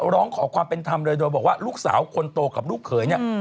ร้องขอความเป็นธรรมเลยโดยบอกว่าลูกสาวคนโตกับลูกเขยเนี่ย